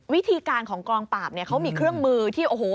วิธีการของกองปราบเนี่ยเขามีเครื่องมือที่โอ้โห